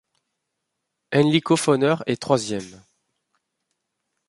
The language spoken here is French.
Enrico Fauner est troisième.